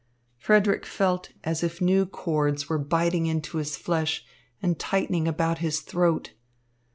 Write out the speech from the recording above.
Frederick felt as if new cords were biting into his flesh and tightening about his throat.